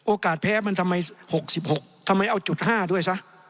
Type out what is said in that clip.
โอกาสแพ้มันทำไม๖๖ทำไมเอา๕ด้วย